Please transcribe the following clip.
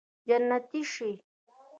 جنتي شې